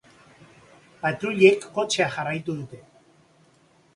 Patruilek kotxea jarraitu dute.